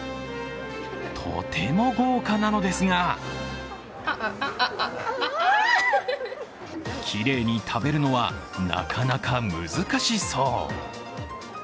とても豪華なのですがきれいに食べるのはなかなか難しそう。